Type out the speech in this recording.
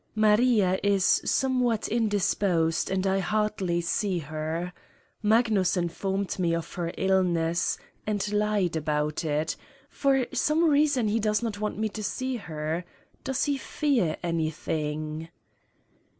Maria is somewhat indisposed and I hardly see her. Magnus informed me of her illness and lied about it: for some reason he does not want me to see her. Does he fear anything?